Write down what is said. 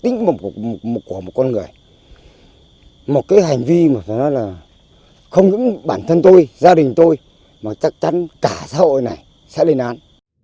nói là không những bản thân tôi gia đình tôi mà chắc chắn cả xã hội này sẽ lên án